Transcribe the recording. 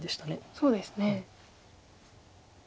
そうですね。